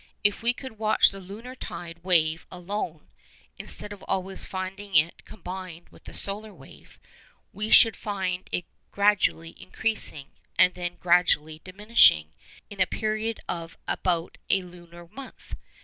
If we could watch the lunar tidal wave alone (instead of always finding it combined with the solar wave) we should find it gradually increasing, and then gradually diminishing, in a period of about a lunar month.